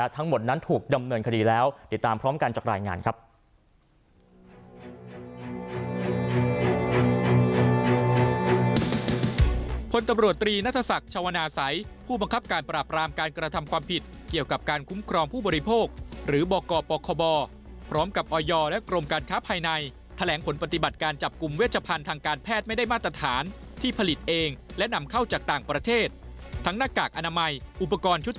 ทั้งหมดนั้นถูกดำเนินคดีแล้วติดตามพร้อมกันจากรายงานครับ